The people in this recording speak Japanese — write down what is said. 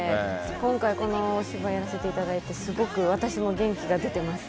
今回このお芝居やらせていただいて、すごく私も元気が出てます。